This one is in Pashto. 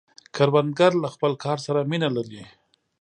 کروندګر له خپل کار سره مینه لري